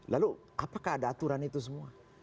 lalu apakah ada aturan itu semua